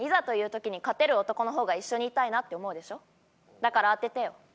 だから当ててよ。